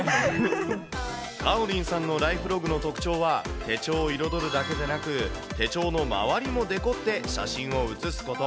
おりんさんのライフログの特徴は、手帳を彩るだけでなく、手帳の周りもデコって、写真を写すこと。